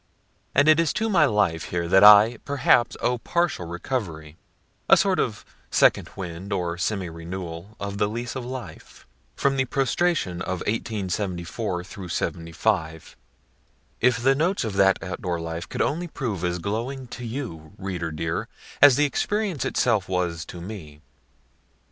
And it is to my life here that I, perhaps, owe partial recovery (a sort of second wind, or semi renewal of the lease of life) from the prostration of 1874 '75. If the notes of that outdoor life could only prove as glowing to you, reader dear, as the experience itself was to me.